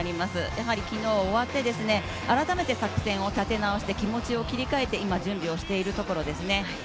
やはり昨日、終わって改めて作戦を立て直して気持ちを切り替えて今、準備をしているところですね。